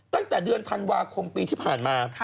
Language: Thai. ตั้งแต่เดือนธันวาคมปีที่ผ่านมา